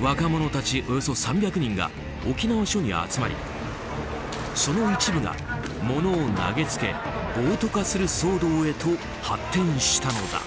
若者たち、およそ３００人が沖縄署に集まりその一部が、物を投げつけ暴徒化する騒動へと発展したのだ。